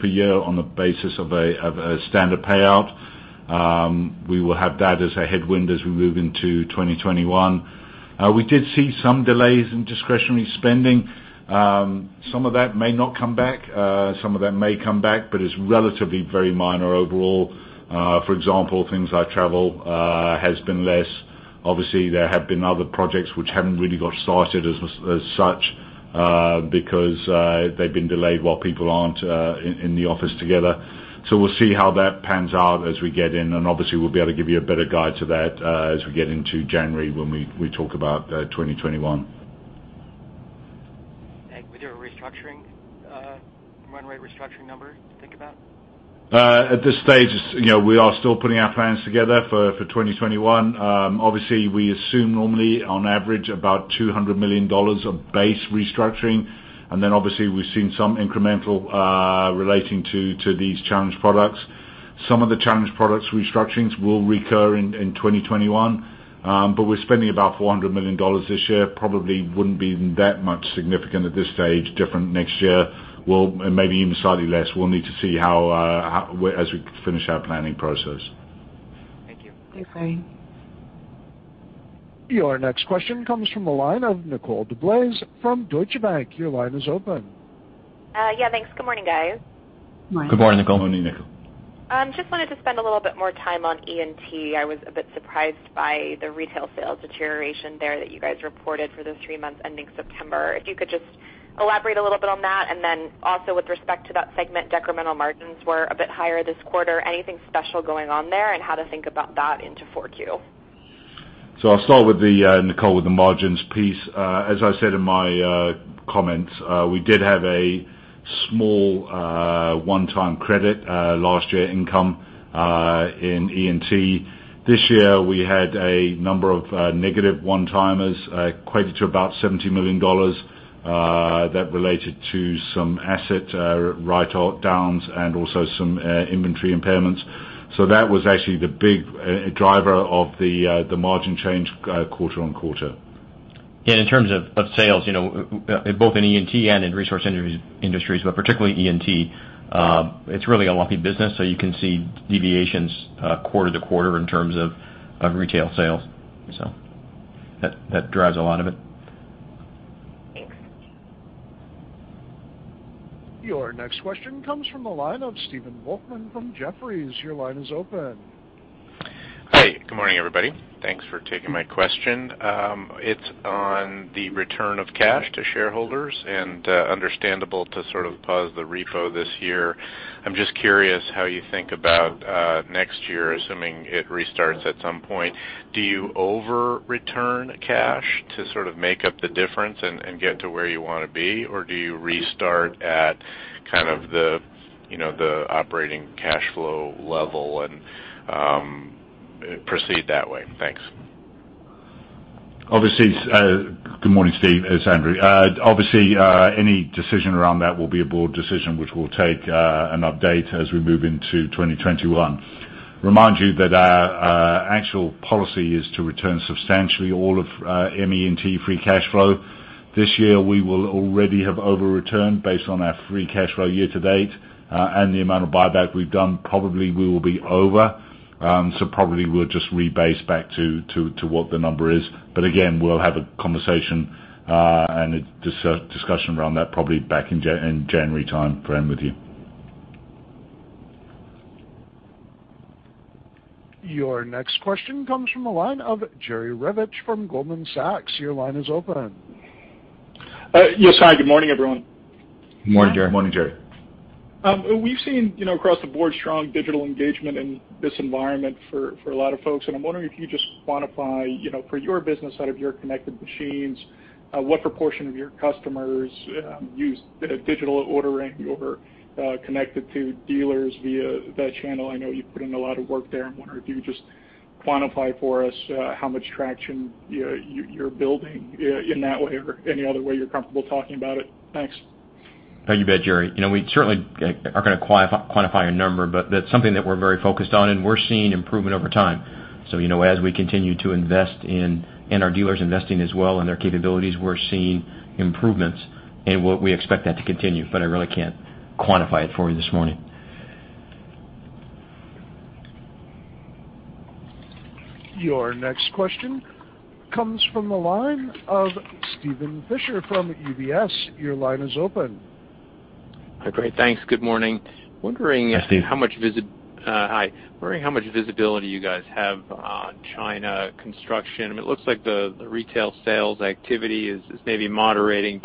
per year on the basis of a standard payout. We will have that as a headwind as we move into 2021. We did see some delays in discretionary spending. Some of that may not come back, some of that may come back, but it's relatively very minor overall. For example, things like travel has been less. Obviously, there have been other projects which haven't really got started as such because they've been delayed while people aren't in the office together. We'll see how that pans out as we get in, and obviously, we'll be able to give you a better guide to that as we get into January when we talk about 2021. Was there a run rate restructuring number to think about? At this stage, we are still putting our plans together for 2021. Obviously, we assume normally, on average, about $200 million of base restructuring, and then obviously, we've seen some incremental relating to these challenged products. Some of the challenged products restructurings will recur in 2021. We're spending about $400 million this year. Probably wouldn't be that much significant at this stage, different next year. Well, maybe even slightly less. We'll need to see as we finish our planning process. Thank you. Your next question comes from the line of Nicole DeBlase from Deutsche Bank. Your line is open. Yeah, thanks. Good morning, guys. Good morning, Nicole. Good morning, Nicole. Just wanted to spend a little bit more time on E&T. I was a bit surprised by the retail sales deterioration there that you guys reported for those three months ending September. If you could just elaborate a little bit on that, and then also with respect to that segment, decremental margins were a bit higher this quarter. Anything special going on there and how to think about that into 4Q? I'll start, Nicole, with the margins piece. As I said in my comments, we did have a small one-time credit last year income, in E&T. This year, we had a number of negative one-timers equated to about $70 million, that related to some asset write-downs and also some inventory impairments. That was actually the big driver of the margin change quarter-on-quarter. In terms of sales, both in E&T and in Resource Industries, but particularly E&T, it's really a lumpy business, so you can see deviations quarter to quarter in terms of retail sales. That drives a lot of it. Thanks. Your next question comes from the line of Steven Volkmann from Jefferies. Your line is open. Hi, good morning, everybody. Thanks for taking my question. It's on the return of cash to shareholders and understandable to sort of pause the repo this year. I'm just curious how you think about next year, assuming it restarts at some point. Do you over-return cash to sort of make up the difference and get to where you want to be? Or do you restart at kind of the operating cash flow level and proceed that way? Thanks. Good morning, Steve. It's Andrew. Any decision around that will be a board decision, which we'll take an update as we move into 2021. Remind you that our actual policy is to return substantially all of ME&T free cash flow. This year, we will already have over-returned based on our free cash flow year-to-date. The amount of buyback we've done, probably we will be over. Probably we'll just rebase back to what the number is. Again, we'll have a conversation, and a discussion around that probably back in January time frame with you. Your next question comes from the line of Jerry Revich from Goldman Sachs. Your line is open. Yes. Hi, good morning, everyone. Morning, Jerry. Morning, Jerry. We've seen, across the board, strong digital engagement in this environment for a lot of folks. I'm wondering if you just quantify, for your business out of your connected machines, what proportion of your customers use digital ordering or connected to dealers via that channel. I know you've put in a lot of work there. I'm wondering if you could just quantify for us how much traction you're building in that way or any other way you're comfortable talking about it. Thanks. You bet, Jerry. We certainly aren't going to quantify a number, but that's something that we're very focused on, and we're seeing improvement over time. As we continue to invest in our dealers investing as well and their capabilities, we're seeing improvements, and we expect that to continue, but I really can't quantify it for you this morning. Your next question comes from the line of Steven Fisher from UBS. Your line is open. Hi. Great. Thanks. Good morning. Hi, Steve. Hi. Wondering how much visibility you guys have on China construction. It looks like the retail sales activity is maybe moderating.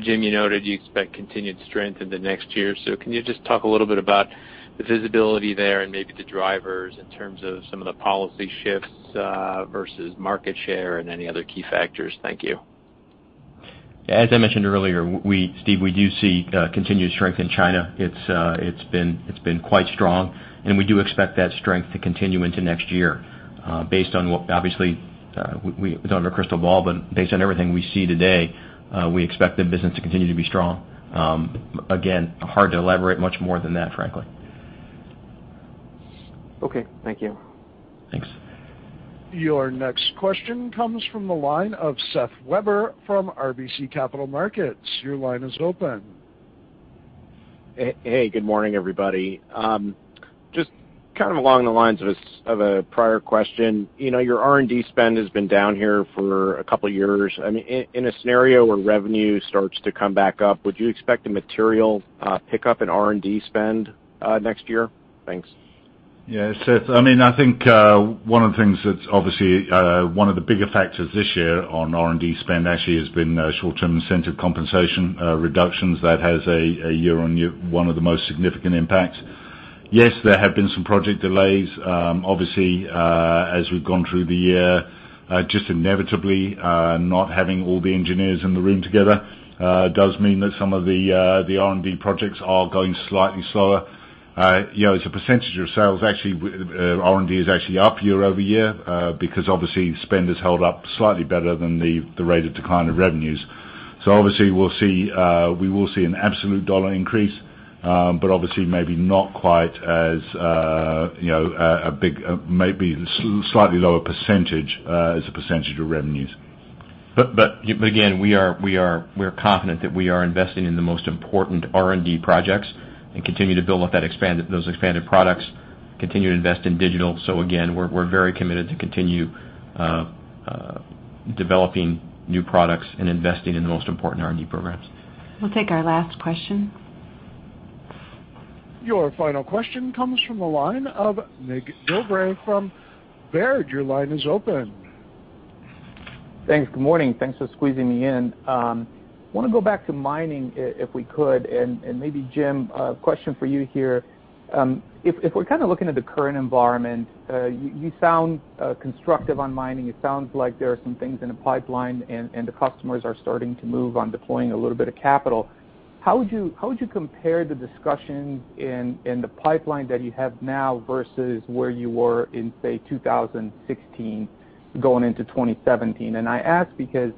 Jim, you noted you expect continued strength into next year. Can you just talk a little bit about the visibility there and maybe the drivers in terms of some of the policy shifts versus market share and any other key factors? Thank you. As I mentioned earlier, Steve, we do see continued strength in China. It's been quite strong. We do expect that strength to continue into next year. Obviously, we don't have a crystal ball. Based on everything we see today, we expect the business to continue to be strong. Again, hard to elaborate much more than that, frankly. Okay. Thank you. Thanks. Your next question comes from the line of Seth Weber from RBC Capital Markets. Your line is open. Hey. Good morning, everybody. Just kind of along the lines of a prior question. Your R&D spend has been down here for a couple of years. In a scenario where revenue starts to come back up, would you expect a material pickup in R&D spend next year? Thanks. Yeah, Seth. I think one of the things that's obviously one of the bigger factors this year on R&D spend actually has been short-term incentive compensation reductions. That has, year-over-year, one of the most significant impacts. Yes, there have been some project delays. Obviously, as we've gone through the year, just inevitably, not having all the engineers in the room together does mean that some of the R&D projects are going slightly slower. As a percentage of sales, R&D is actually up year-over-year because obviously spend has held up slightly better than the rate of decline of revenues. Obviously, we will see an absolute dollar increase, but obviously maybe not quite as a big, maybe slightly lower percentage as a percentage of revenues. Again, we are confident that we are investing in the most important R&D projects and continue to build up those expanded products, continue to invest in digital. Again, we're very committed to continue developing new products and investing in the most important R&D programs. We'll take our last question. Your final question comes from the line of Nick Giblin from Baird. Your line is open. Thanks. Good morning. Thanks for squeezing me in. I want to go back to mining, if we could, and maybe Jim, a question for you here. If we're kind of looking at the current environment, you sound constructive on mining. It sounds like there are some things in the pipeline, and the customers are starting to move on deploying a little bit of capital. How would you compare the discussion in the pipeline that you have now versus where you were in, say, 2016 going into 2017? I ask because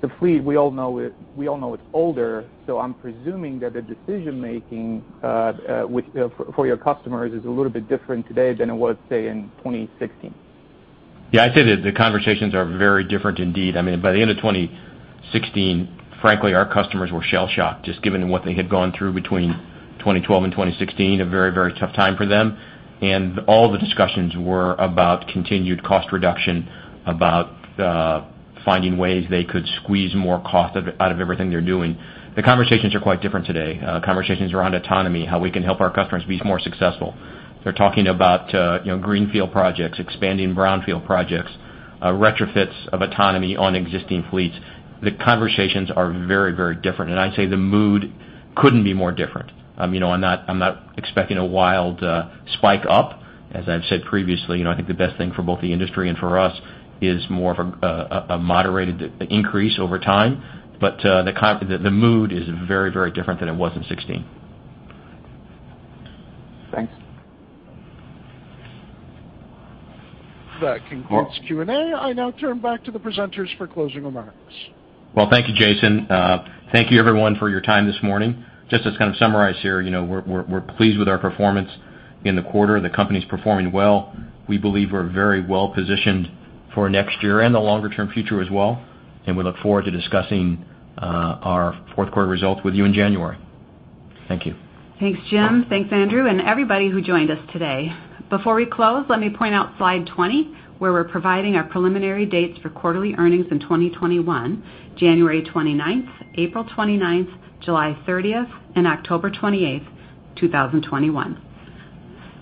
the fleet, we all know it's older, so I'm presuming that the decision-making for your customers is a little bit different today than it was, say, in 2016. Yeah, I'd say that the conversations are very different indeed. By the end of 2016, frankly, our customers were shell-shocked, just given what they had gone through between 2012 and 2016, a very tough time for them. All the discussions were about continued cost reduction, about finding ways they could squeeze more cost out of everything they're doing. The conversations are quite different today. Conversations around autonomy, how we can help our customers be more successful. They're talking about greenfield projects, expanding brownfield projects, retrofits of autonomy on existing fleets. The conversations are very different, and I'd say the mood couldn't be more different. I'm not expecting a wild spike up. As I've said previously, I think the best thing for both the industry and for us is more of a moderated increase over time. The mood is very different than it was in 2016. Thanks. That concludes Q&A. I now turn back to the presenters for closing remarks. Well, thank you, Jason. Thank you, everyone, for your time this morning. Just to kind of summarize here, we're pleased with our performance in the quarter. The company's performing well. We believe we're very well-positioned for next year and the longer-term future as well, and we look forward to discussing our fourth quarter results with you in January. Thank you. Thanks, Jim. Thanks, Andrew. Everybody who joined us today. Before we close, let me point out slide 20, where we're providing our preliminary dates for quarterly earnings in 2021, January 29th, April 29th, July 30th, and October 28th, 2021.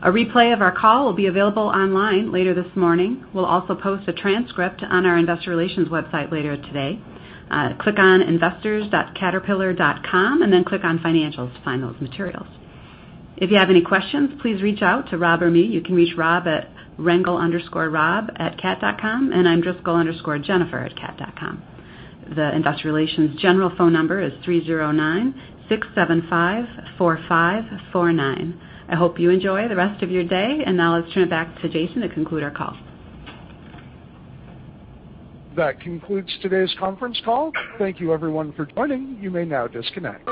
A replay of our call will be available online later this morning. We'll also post a transcript on our investor relations website later today. Click on investors.caterpillar.com and then click on Financials to find those materials. If you have any questions, please reach out to Rob or me. You can reach Rob at rengel_rob@cat.com, and I'm driscoll_jennifer@cat.com. The investor relations general phone number is three zero nine six seven five four five four nine. I hope you enjoy the rest of your day. Now let's turn it back to Jason to conclude our call. That concludes today's conference call. Thank you everyone for joining. You may now disconnect.